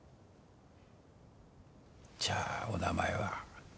じゃあお名前は？